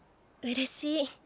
うれしい。